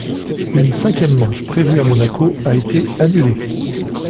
Une cinquième manche prévue à Monaco a été annulée.